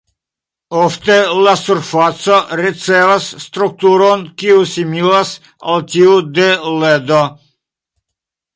Ofte la surfaco ricevas strukturon kiu similas al tiu de ledo.